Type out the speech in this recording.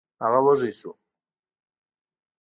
هغه وږی شو.